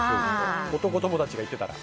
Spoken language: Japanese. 男友達が言ってたら。